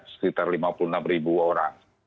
sekitar lima puluh enam ribu orang